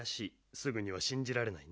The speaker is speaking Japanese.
すぐにはしんじられないね。